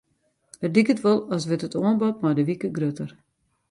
It liket wol as wurdt it oanbod mei de wike grutter.